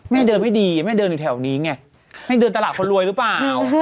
เดินไม่ดีแม่เดินอยู่แถวนี้ไงแม่เดินตลาดคนรวยหรือเปล่า